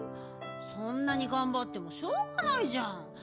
そんなにがんばってもしょうがないじゃん。